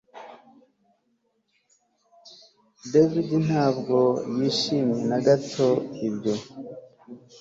David ntabwo yishimiye na gato ibyo